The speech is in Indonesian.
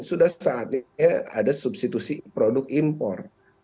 sudah saatnya ada substitusi produk impor